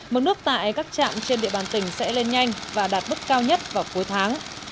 mức nước tại các trạm trên địa bàn tỉnh sẽ lên nhanh và đạt mức cao nhất vào cuối tháng